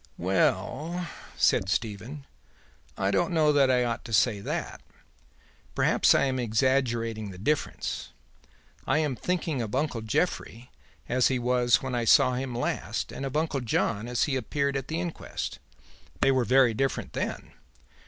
"Well," said Stephen, "I don't know that I ought to say that. Perhaps I am exaggerating the difference. I am thinking of Uncle Jeffrey as he was when I saw him last and of uncle John as he appeared at the inquest. They were very different then.